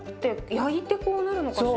焼いてこうなるのかしら？